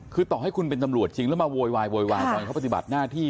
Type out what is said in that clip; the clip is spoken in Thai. คือต่อให้คุณเป็นตำรวจจริงแล้วมาโวยวายโวยวายตอนเขาปฏิบัติหน้าที่